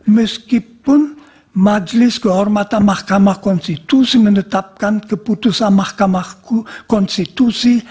meskipun majelis kehormatan mahkamah konstitusi menetapkan keputusan mahkamah konstitusi